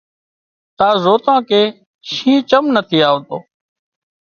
تار زوتان ڪي شينهن چم نٿي آوتو